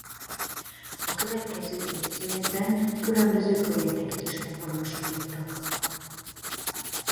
A következő évtizedekben különböző projekteket is megvalósítottak.